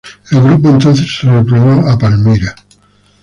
El grupo entonces se replegó a Palmira.